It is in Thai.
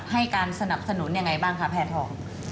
ให้การสนับสนุนยังไงบ้างคะแพทอง